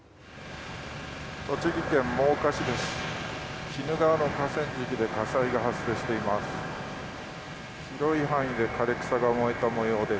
栃木県真岡市です。